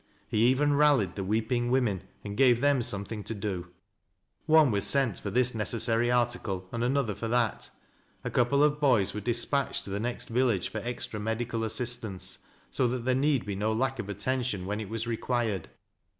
He even rallied the weeping women and gave them something to do. One was sent for this necessary article and another for that. A couple of boys were dis patched to the next village for extra medical assistance, so that there need be no lack of attention when it was required.